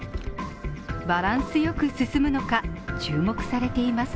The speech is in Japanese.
バランスよく進むのか注目されています。